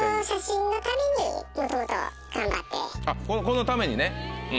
このためにね。